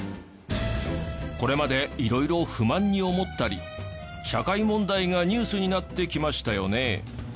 これまで色々不満に思ったり社会問題がニュースになってきましたよね。